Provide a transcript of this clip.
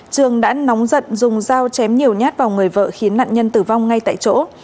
trường đã nóng giận dùng dao chém nhiều nhát vào người vợ khiến nạn nhân tử vong ngay tại chỗ